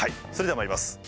それではまいります。